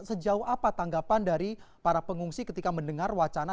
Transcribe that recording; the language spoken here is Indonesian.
sejauh apa tanggapan dari para pengungsi ketika mendengar wacana